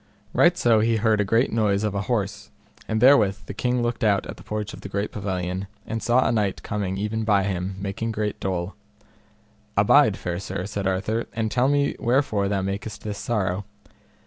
Right so he heard a great noise of an horse, and therewith the king looked out at the porch of the pavilion, and saw a knight coming even by him, making great dole. Abide, fair sir, said Arthur, and tell me wherefore thou makest this sorrow.